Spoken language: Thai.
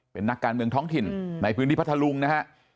เป็นนักการเมืองท้องถิ่นในพื้นที่พัทธลุงนะฮะ